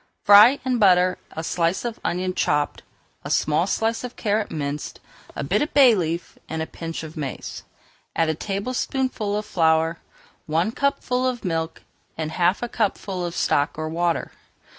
Fry in butter a slice of onion chopped, a small slice of carrot minced, a bit of bay leaf, and a pinch of mace. Add a tablespoonful of flour, one cupful of milk, and half a cupful of stock or water.